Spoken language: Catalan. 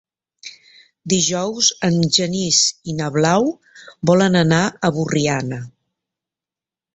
Dijous en Genís i na Blau volen anar a Borriana.